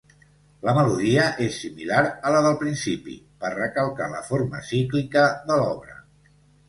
La melodia és similar a la del principi, per recalcar la forma cíclica de l'obra.